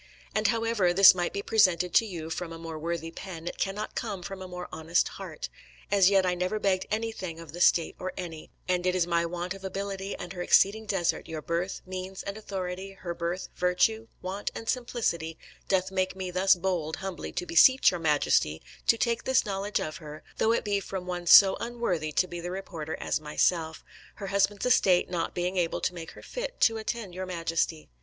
And, however, this might be presented to you from a more worthy pen, it cannot come from a more honest heart, as yet I never begged anything of the State or any; and it is my want of ability and her exceeding desert, your birth, means and authority, her birth, virtue, want and simplicity, doth make me thus bold humbly to beseech your majesty to take this knowledge of her, though it be from one so unworthy to be the reporter as myself, her husband's estate not being able to make her fit to attend your majesty.